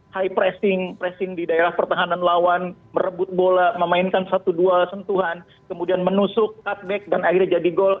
high pressing pressing di daerah pertahanan lawan merebut bola memainkan satu dua sentuhan kemudian menusuk atback dan akhirnya jadi gol